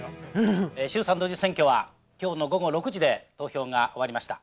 「衆参同日選挙は今日の午後６時で投票が終わりました。